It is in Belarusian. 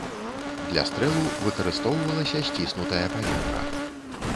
Для стрэлу выкарыстоўвалася сціснутае паветра.